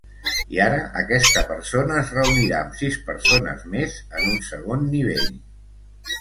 I ara aquesta persona es reunirà amb sis persones més en un segon nivell.